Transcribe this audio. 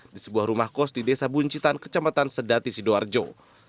di sebuah rumah kos di desa buncitan kecamatan sedati sidoarjo